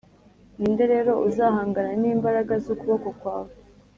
ni nde rero uzahangana n’imbaraga z’ukuboko kwawe?